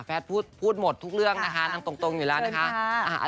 พูดหมดทุกเรื่องนะคะนั่งตรงอยู่แล้วนะคะ